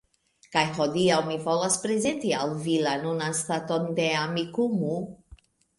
Kaj hodiaŭ mi volas prezenti al vi la nunan staton de Amikumu